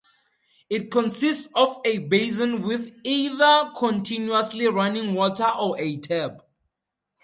It consists of a basin with either continuously running water or a tap.